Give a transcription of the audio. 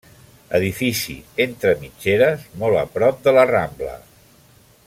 Edifici entre mitgeres molt a prop de la Rambla.